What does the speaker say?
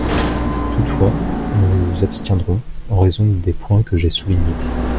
Toutefois, nous nous abstiendrons, en raison des points que j’ai soulignés.